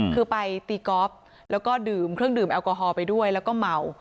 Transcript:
คือไปตีกอล์ฟแล้วก็ดื่มเครื่องดื่มแอลกอฮอลไปด้วยแล้วก็เมา